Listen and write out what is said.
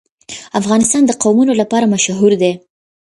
افغانستان د قومونه لپاره مشهور دی.